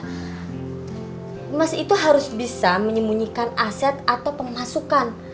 aku gini loh mas ya mas itu harus bisa menyemunyikan aset atau pemasukan